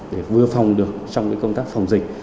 để vừa phòng được trong công tác phòng dịch